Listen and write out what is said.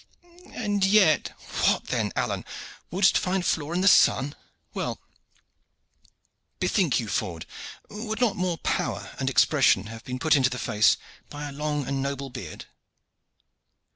"And yet " "What then, Alleyne? Wouldst find flaw in the sun?" "Well, bethink you, Ford, would not more power and expression have been put into the face by a long and noble beard?"